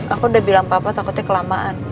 aku udah bilang papa takutnya kelamaan